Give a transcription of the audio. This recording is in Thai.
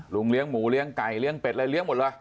ลุงเลี้ยงหมูเก่าลีเอ็กเตสเลี้ยงหมดเหรอ